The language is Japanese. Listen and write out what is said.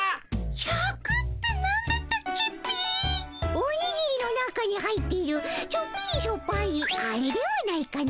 おにぎりの中に入っているちょっぴりしょっぱいあれではないかの？